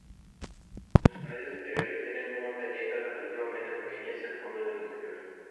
Las paredes interiores tienen una pendiente relativamente pequeña hacia el fondo del interior.